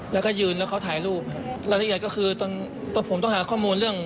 แล้วก็ยืนแล้วเขาถ่ายรูปรายละเอียดก็คือตอนผมต้องหาข้อมูลเรื่อง